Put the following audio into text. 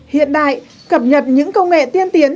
hiện đại cập nhật những công nghệ tiên tiến